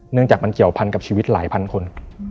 จากมันเกี่ยวพันกับชีวิตหลายพันคน